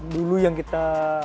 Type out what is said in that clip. dulu yang kita